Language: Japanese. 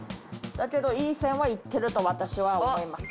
だけど、いい線は行ってると私は思います。